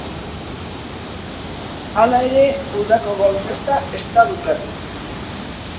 Hala ere, udako gol festa ez da bukatu.